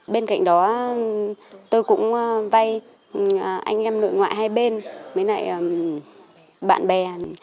bên cạnh đó tôi cũng vay anh em nội ngoại hai bên với lại bạn bè